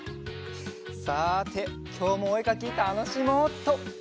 さてきょうもおえかきたのしもうっと！